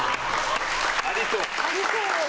ありそう。